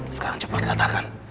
sekarang cepat katakan